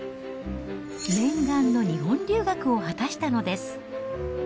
念願の日本留学を果たしたのです。